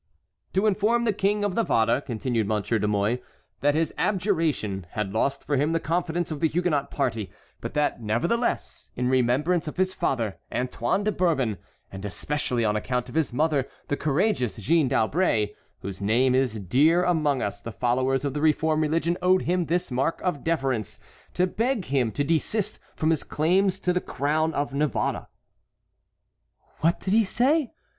"To inform the King of Navarre," continued Monsieur de Mouy, "that his abjuration had lost for him the confidence of the Huguenot party; but that, nevertheless, in remembrance of his father, Antoine de Bourbon, and especially on account of his mother, the courageous Jeanne d'Albret, whose name is dear among us, the followers of the reformed religion owed him this mark of deference, to beg him to desist from his claims to the crown of Navarre." "What did he say?"